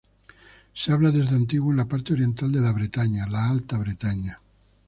Se habla desde antiguo en la parte oriental de la Bretaña, la Alta Bretaña.